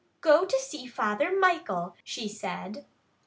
"Go to see Father Michael," she said.